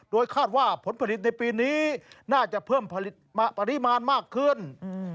โดยคาดว่าผลผลิตในปีนี้น่าจะเพิ่มปริมาณมากขึ้น